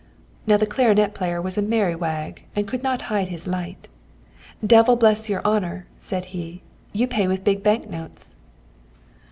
Now the clarinet player was a merry wag, and could not hide his light. 'Devil bless your honour,' said he, 'you pay with big bank notes.'